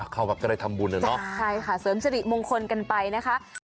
เขาก็เลยทำบุญเนอะใช่ค่ะเสริมเฉลี่ยมงคลกันไปนะคะ